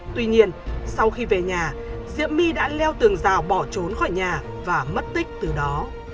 tuy nhiên sau khi về nhà diễm my đã leo tường rào bỏ trốn khỏi nhà và mất tích từ đó